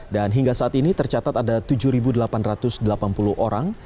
hingga saat ini tercatat ada tujuh delapan ratus delapan puluh orang